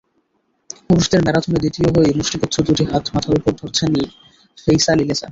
পুরুষদের ম্যারাথনে দ্বিতীয় হয়েই মুষ্টিবদ্ধ দুটি হাত মাথার ওপর ধরেছেন ফেইসা লিলেসা।